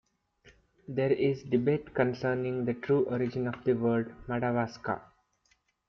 There is debate concerning the true origin of the word "Madawaska".